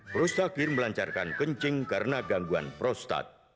prostakir melancarkan kencing karena gangguan prostat